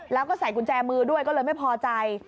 แล้วก็ใส่กุญแจมือด้วยก็เลยไม่พอใจ